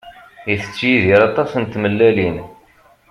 Itett Yidir aṭas n tmellalin.